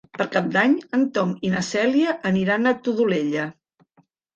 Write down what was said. Per Cap d'Any en Tom i na Cèlia aniran a la Todolella.